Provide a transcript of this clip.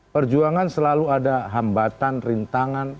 perjuangan selalu ada hambatan rintangan